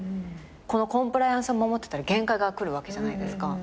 このコンプライアンスを守ってたら限界が来るわけじゃないですか。